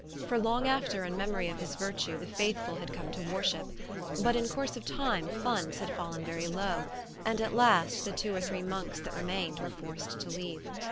For long after in memory of his virtue the faithful had come to worship, but in course of time funds had fallen very low and at last the two or three monks that remained were forced to leave.